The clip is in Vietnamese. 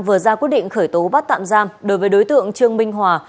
vừa ra quyết định khởi tố bắt tạm giam đối với đối tượng trương minh hòa